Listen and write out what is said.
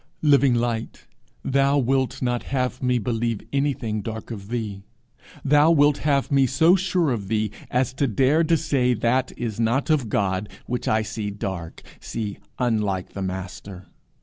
Living Light, thou wilt not have me believe anything dark of thee! thou wilt have me so sure of thee as to dare to say that is not of God which I see dark, see unlike the Master!